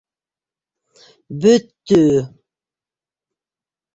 Бөттө!